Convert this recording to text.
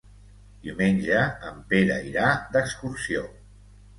Diumenge en Pere irà d'excursió.